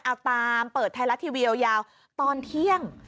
เอาตามเปิดไทยรัฐทีวียาวตอนเที่ยง